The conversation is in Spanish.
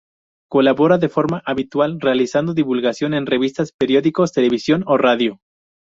Colabora de forma habitual realizando divulgación en revistas, periódicos, televisión o radio.